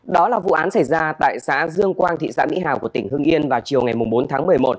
đó là vụ án xảy ra tại xã dương quang thị xã mỹ hào của tỉnh hưng yên vào chiều ngày bốn tháng một mươi một